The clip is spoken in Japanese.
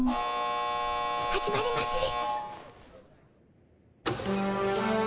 始まりまする。